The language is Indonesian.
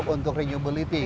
untuk renewability gitu ya